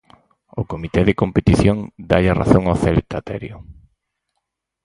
O Comité de Competición dálle a razón ao Celta, Terio.